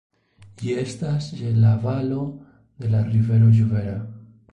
Ĝi estas je la valo de la rivero Juvera.